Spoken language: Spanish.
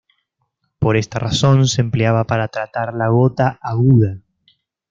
Por esta razón se empleaba para tratar la gota aguda.